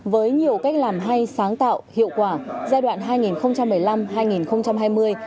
với nhiều cách làm hay sáng tạo hiệu quả giai đoạn hai nghìn một mươi năm hai nghìn hai mươi công an hà nam đã phát động hai mươi năm đợt thi đua